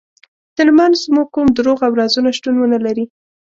ترمنځ مو کوم دروغ او رازونه شتون ونلري.